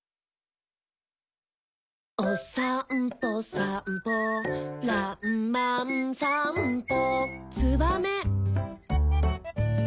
「おさんぽさんぽらんまんさんぽ」